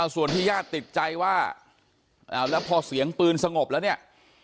ส่วนที่ญาติติดใจว่าแล้วพอเสียงปืนสงบแล้วเนี่ย